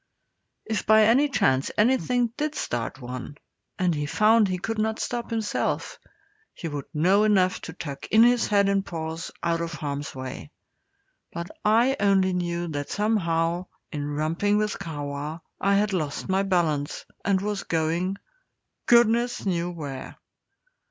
If by any chance anything did start one, and he found he could not stop himself, he would know enough to tuck in his head and paws out of harm's way; but I only knew that somehow, in romping with Kahwa, I had lost my balance, and was going goodness knew where!